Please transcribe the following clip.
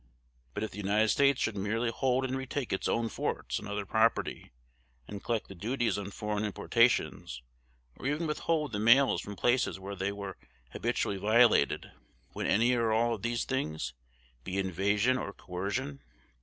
But if the United States should merely hold and retake its own forts and other property, and collect the duties on foreign importations, or even withhold the mails from places where they were' habitually violated, would any or all of these things be invasion or coercion?